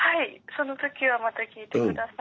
その時はまた聞いて下さい。